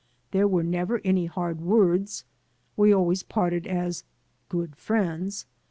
There were never any hard words; we always parted as "good friends.''